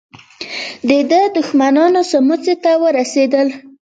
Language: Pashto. د ده دښمنان سموڅې ته ورسېدل.